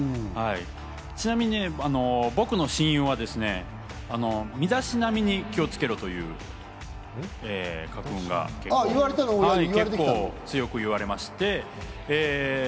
ちなみに僕の親友はですね、身だしなみに気をつけろという家訓が結構強く言われまして。